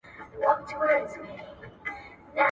ارغوان به غوړېدلی پر کابل وي ..